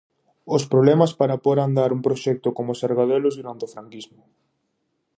Os problemas para pór a andar un proxecto como Sargadelos durante o Franquismo.